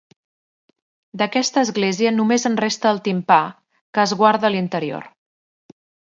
D'aquesta església només en resta el timpà, que es guarda a l'interior.